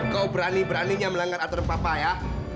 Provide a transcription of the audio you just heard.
kau berani beraninya melanggar aturan papa ya